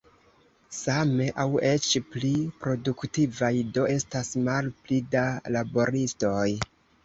Same aŭ eĉ pli produktivaj do estas malpli da laboristoj.